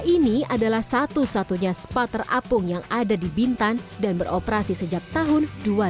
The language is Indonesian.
ini adalah satu satunya spa terapung yang ada di bintan dan beroperasi sejak tahun dua ribu